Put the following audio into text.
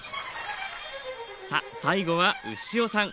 さあ最後は牛尾さん。